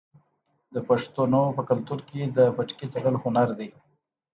د پښتنو په کلتور کې د پټکي تړل هنر دی.